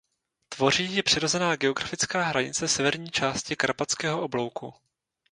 Tvoří ji přirozená geografická hranice severní části Karpatského oblouku.